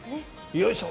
よいしょ！